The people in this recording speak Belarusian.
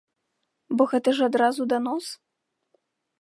Бо гэта ж адразу данос.